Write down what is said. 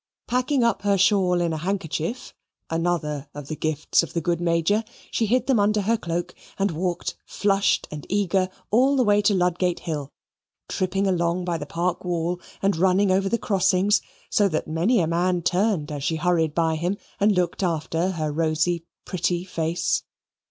Packing up her shawl in a handkerchief (another of the gifts of the good Major), she hid them under her cloak and walked flushed and eager all the way to Ludgate Hill, tripping along by the park wall and running over the crossings, so that many a man turned as she hurried by him and looked after her rosy pretty face.